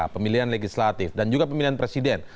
pemilihan legislatif dan juga pemilihan presiden